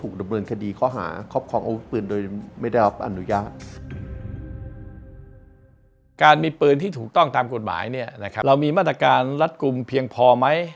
การมีปืนที่ถูกต้องตามกฎหมายเรามีมาตรการรัฐกลุ่มเพียงพอไหม